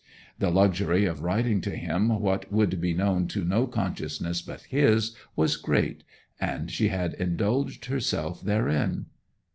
The luxury of writing to him what would be known to no consciousness but his was great, and she had indulged herself therein.